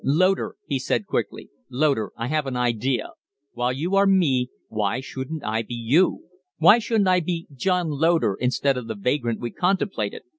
"Loder," he said, quickly "Loder, I have an idea! While you are me, why shouldn't I be you? Why shouldn't I be John Loder instead of the vagrant we contemplated?